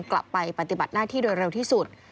กลับไปปฏิบัติหน้าที่โดยเร็วที่สุด